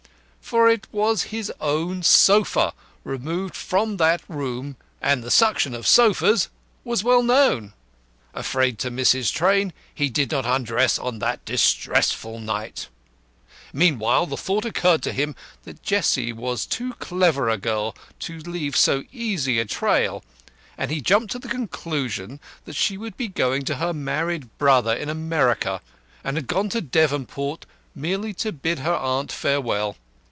For it was his own sofa, removed from that room, and the suction of sofas was well known. Afraid to miss his train, he did not undress on that distressful night. Meantime the thought occurred to him that Jessie was too clever a girl to leave so easy a trail, and he jumped to the conclusion that she would be going to her married brother in America, and had gone to Devonport merely to bid her aunt farewell.